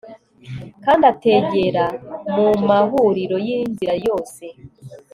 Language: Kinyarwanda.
Kandi ategera mu mahuriro yinzira yose